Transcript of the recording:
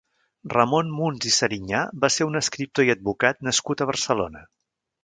Ramon Muns i Serinyà va ser un escriptor i advocat nascut a Barcelona.